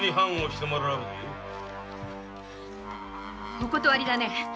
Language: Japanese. お断りだね。